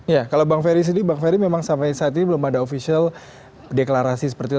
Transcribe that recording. ya kalau bang ferry sendiri bang ferry memang sampai saat ini belum ada official deklarasi seperti itu